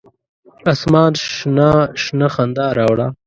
اسمان شنه، شنه خندا راوړه